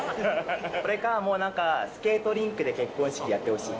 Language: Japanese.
それか、もうなんか、スケートリンクで結婚式やってほしい。